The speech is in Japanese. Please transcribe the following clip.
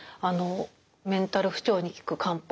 メンタル不調に効く漢方